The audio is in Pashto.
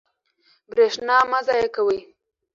برښنا مه ضایع کوئ.